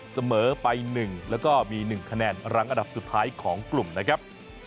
เสมอไป๑แล้วก็มี๑คะแนนรังอันดับสุดท้ายของกลุ่มนะครับ